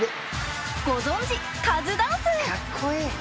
ご存じカズダンス！